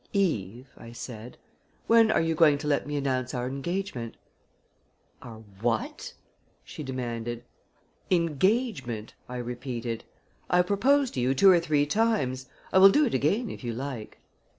"Eve," I said, "when are you going to let me announce our engagement?" "Our what?" she demanded. "Engagement," I repeated. "I have proposed to you two or three times. I will do it again if you like."